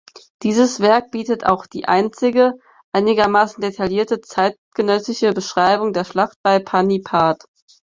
Dieses Werk bietet auch die einzige einigermaßen detaillierte zeitgenössische Beschreibung der Schlacht bei Panipat.